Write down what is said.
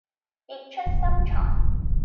別出心裁